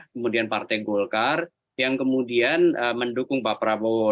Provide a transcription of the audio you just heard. kemudian partai golkar yang kemudian mendukung pak prabowo